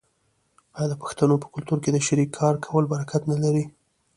آیا د پښتنو په کلتور کې د شریک کار کول برکت نلري؟